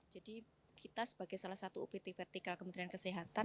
jadi kita sebagai salah satu upt vertikal kementerian kesehatan